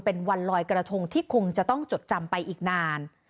เป็นวันลอยกระทงที่คงจะต้องจดจำไปอีกนาน